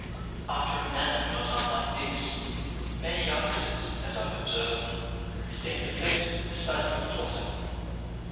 After a manner not unlike this, many youngsters (as I've observed) stand affected at the study of philosophy.